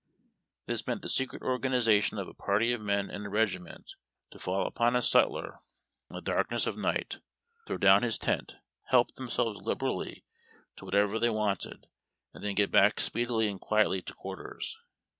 This meant the secret organization of a party of men in a regiment to fall upon a sutler in the SPECIAL RATIONS. . 229 darkness of night, throw down his tent, help themselves liberally to whatever they wanted, and then get back speedily and quietly to quarters.